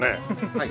はい。